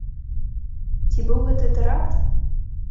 Ці быў гэта тэракт?